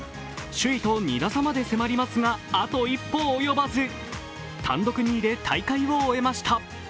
首位と２打差まで迫りますが、あと一歩及ばず、単独２位で大会を終えました。